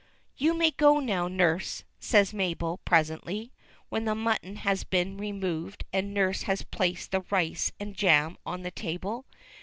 "You may go now, nurse," says Mabel, presently, when the mutton had been removed and nurse had placed the rice and jam on the table.